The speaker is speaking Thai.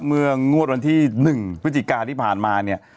เมื่องวดวันที่๑พฤติกาที่ผ่านมา